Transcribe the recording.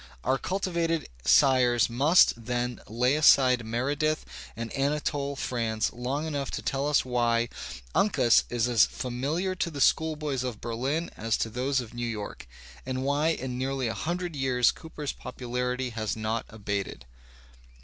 Our culti vated sires must, then, lay aside Meredith and Anatole France long enough to tell us why Uncas is as familiar to the school boys of Berlin as to those of New York, and why in nearly a hundred years Cooper's popularity has not abated.